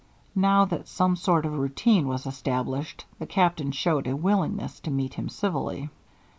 Now that some sort of routine was established, the Captain showed a willingness to meet him civilly.